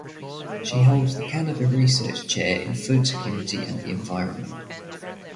She holds the Canada Research Chair in Food Security and the Environment.